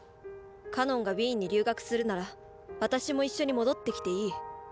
かのんがウィーンに留学するなら私も一緒に戻ってきていい。